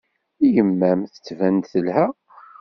Yemma-m tettban-d telha.